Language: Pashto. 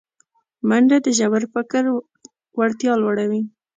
منډه د ژور فکر وړتیا لوړوي